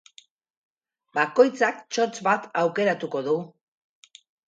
Bakoitzak txotx bat aukeratuko du.